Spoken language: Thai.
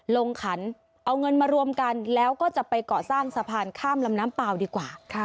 ขันเอาเงินมารวมกันแล้วก็จะไปเกาะสร้างสะพานข้ามลำน้ำเปล่าดีกว่า